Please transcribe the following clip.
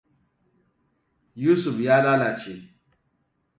Yusuf ya lalace.